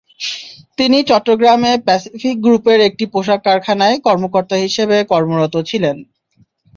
তিনি চট্টগ্রামে প্যাসিফিক গ্রুপের একটি পোশাক কারখানায় কর্মকর্তা হিসেবে কর্মরত ছিলেন।